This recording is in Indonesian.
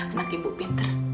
enak ibu pinter